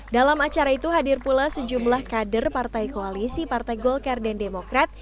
dalam acara itu hadir pula sejumlah kader partai koalisi partai golkar dan demokrat